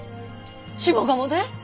下鴨で！？